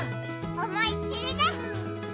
おもいっきりね！